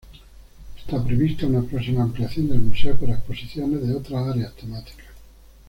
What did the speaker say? Esta prevista una próxima ampliación del museo para exposiciones de otras áreas temáticas.